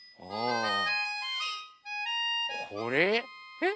えっ？